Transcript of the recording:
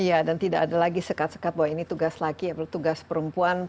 iya dan tidak ada lagi sekat sekat bahwa ini tugas laki atau tugas perempuan